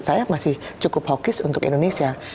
saya masih cukup hawkis untuk indonesia